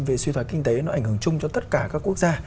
về suy thoái kinh tế nó ảnh hưởng chung cho tất cả các quốc gia